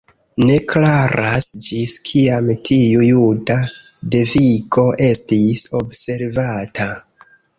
Ne klaras ĝis kiam tiu juda devigo estis observata.